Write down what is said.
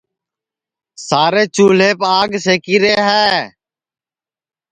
سارے چُولھیپ آگ سیکی رے ہے